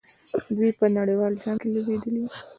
دوی په نړیوال جام کې لوبېدلي.